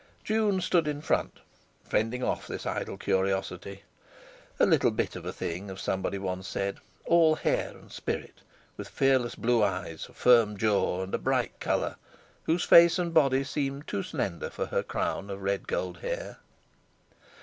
June stood in front, fending off this idle curiosity—a little bit of a thing, as somebody once said, "all hair and spirit," with fearless blue eyes, a firm jaw, and a bright colour, whose face and body seemed too slender for her crown of red gold hair.